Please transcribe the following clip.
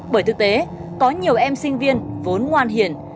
bởi thực tế có nhiều em sinh viên vốn ngoan hiền